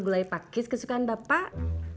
gulai pakis kesukaan bapak